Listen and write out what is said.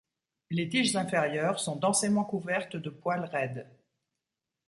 Les tiges inférieures sont densément couvertes de poils raides.